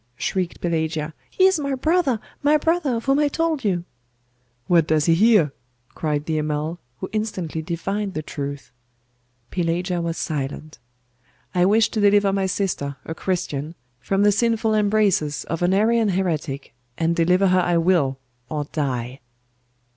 shrieked Pelagia; 'he is my brother my brother of whom I told you!' 'What does he here?' cried the Amal, who instantly divined the truth. Pelagia was silent. 'I wish to deliver my sister, a Christian, from the sinful embraces of an Arian heretic; and deliver her I will, or die!